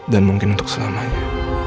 dan mungkin untuk selamanya